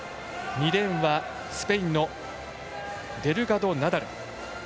２レーンはスペインのデルガドナダル。